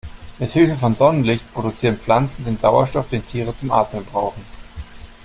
Mithilfe von Sonnenlicht produzieren Pflanzen den Sauerstoff, den Tiere zum Atmen brauchen.